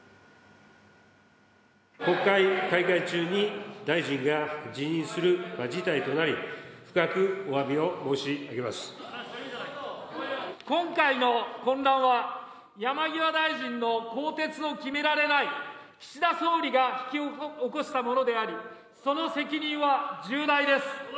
国会開会中に大臣が辞任する事態となり、深くおわびを申し上今回の混乱は、山際大臣の更迭を決められない岸田総理が引き起こしたものであり、その責任は重大です。